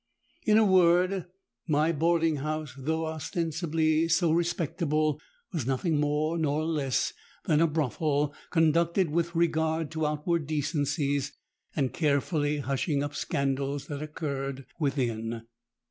In a word, my boarding house, though ostensibly so respectable, was nothing more nor less than a brothel conducted with regard to outward decencies, and carefully hushing up scandals that occurred within.